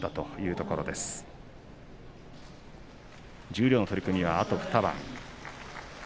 十両の取組、あと２番です。